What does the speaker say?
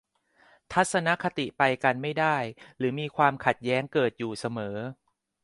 ทัศนคติไปกันไม่ได้หรือมีความขัดแย้งเกิดอยู่เสมอ